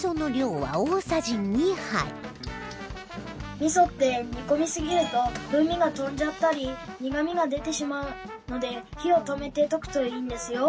味噌って煮込みすぎると風味が飛んじゃったり苦みが出てしまうので火を止めて溶くといいんですよ。